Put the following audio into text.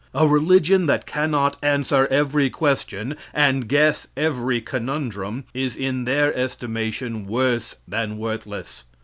A religion that can not answer every question, and guess every conundrum, is in their estimation, worse than worthless.